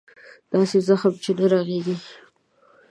داسې زخم چې نه رغېږي.